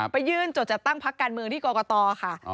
ไปยื่นจดจัดตั้งพักการเมืองที่กรกตค่ะ